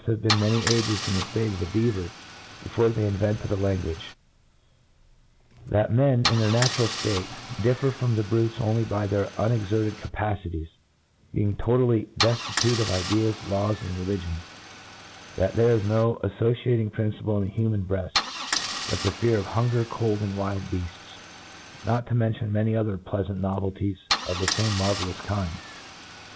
have been m^^ny ages in th? (late of the beaver before they invented a Is^nguage j f rthat men, in their natural ftate^i differ from the brutes oiUy by their unex^r^ed capacities, being totally de(ti« tute of ideas, laws<| and religion ; 7rthat thejre is no aflbciating principle in the human breafl, but the fear q{ hunger, ccjd, and wild beaftsjr r not to mention many other plea&nt novelties of the &me marvellous kind.